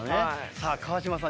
さぁ川島さん